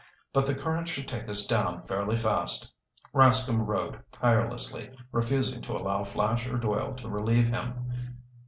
"But the current should take us down fairly fast." Rascomb rowed tirelessly, refusing to allow Flash or Doyle to relieve him.